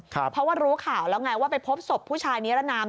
เพราะว่ารู้ข่าวแล้วไงว่าไปพบศพผู้ชายนิรนาม